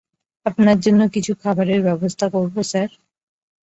আপনার জন্য কিছু খাবারের ব্যবস্থা করবো, স্যার?